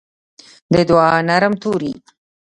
د دوعا نرم توري